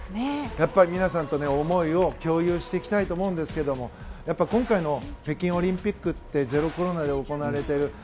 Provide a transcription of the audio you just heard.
やっぱり皆さんと思いを共有していきたいと思うんですがやっぱり今回の北京オリンピックってゼロコロナで行われている。